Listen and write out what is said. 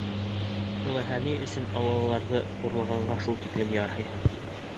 Улайһа, ни өсөн Аллаларҙы хурлағанға шул тиклем ярһыйһың?